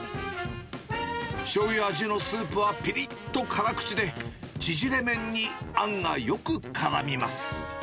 しょうゆ味のスープはぴりっと辛口で、縮れ麺にあんがよくからみます。